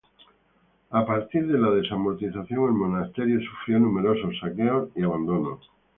A partir de la desamortización el monasterio sufrió numerosos saqueos y abandonos.